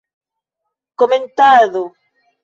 Komentado.